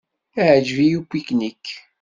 Iεǧeb-iyi upiknik.